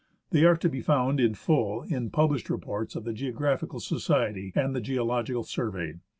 They are to be found in full in the published reports of the "Geographical Society" and the "Geological Survey."